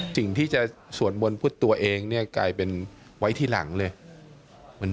สิ่งที่จะสวนบนพุทธตัวเองกลายเป็นไว้ทีหลังเลย